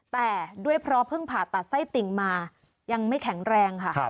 แต่ด้วยเพราะเพิ่งผ่าตัดไส้ติ่งมายังไม่แข็งแรงค่ะ